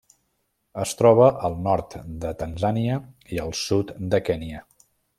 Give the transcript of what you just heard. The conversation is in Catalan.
Es troba al nord de Tanzània i el sud de Kenya.